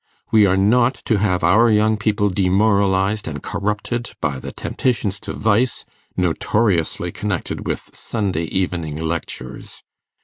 We are not to have our young people demoralized and corrupted by the temptations to vice, notoriously connected with Sunday evening lectures!